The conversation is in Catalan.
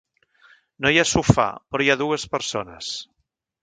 No hi ha sofà, però hi ha dues persones.